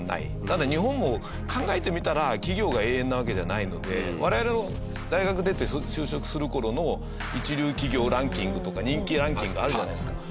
ただ日本も考えてみたら我々の大学出て就職する頃の一流企業ランキングとか人気ランキングあるじゃないですか。